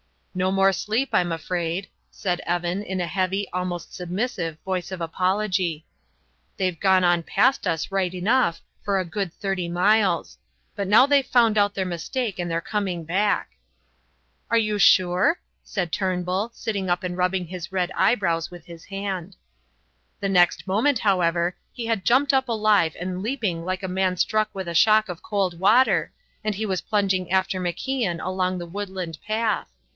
"No more sleep, I'm afraid," said Evan, in a heavy, almost submissive, voice of apology. "They've gone on past us right enough for a good thirty miles; but now they've found out their mistake, and they're coming back." "Are you sure?" said Turnbull, sitting up and rubbing his red eyebrows with his hand. The next moment, however, he had jumped up alive and leaping like a man struck with a shock of cold water, and he was plunging after MacIan along the woodland path.